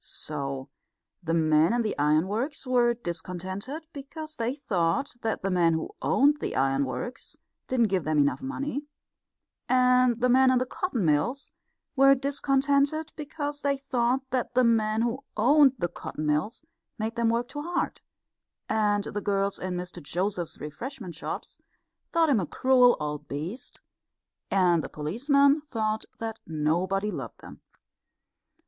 So the men in the ironworks were discontented because they thought that the men who owned the ironworks didn't give them enough money; and the men in the cotton mills were discontented because they thought that the men who owned the cotton mills made them work too hard; and the girls in Mr Joseph's refreshment shops thought him a cruel old beast; and the policemen thought that nobody loved them.